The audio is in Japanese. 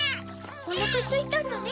おなかすいたのね。